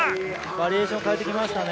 バリエーションを変えてきましたね。